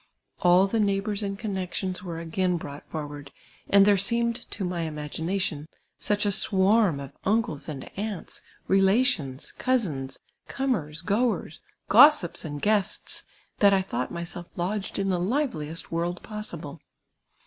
All the neighbours and connexions were again brought for ward, and there seemed, to my imagination, such a swarm of uncles and aunts, relations, cousins, comers, goers, gossips and guests, that I thought myself lodged in tlie liveliest world j)os sible.